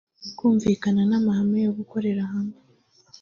kumvikana n’amahame yo gukorera hamwe